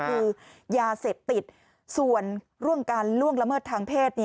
คือยาเสพติดส่วนร่วมการล่วงละเมิดทางเพศ